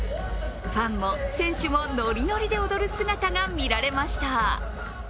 ファンも選手もノリノリで踊る姿が見られました。